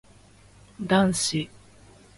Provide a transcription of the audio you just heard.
男子